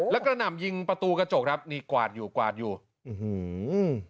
แล้วกระหน่ำยิงประตูกระจกครับนี่กวาดอยู่กวาดอยู่อื้อหือ